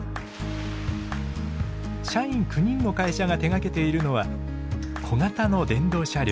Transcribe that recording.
社員９人の会社が手がけているのは小型の電動車両。